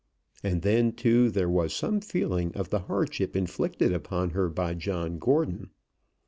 And then, too, there was some feeling of the hardship inflicted upon her by John Gordon.